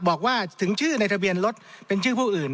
บอกว่าถึงชื่อในทะเบียนรถเป็นชื่อผู้อื่น